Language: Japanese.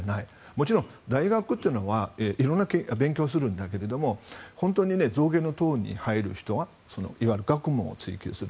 もちろん大学っていうのはいろんな勉強をするけれども本当に上の層に入る人はいわゆる学問を追求する。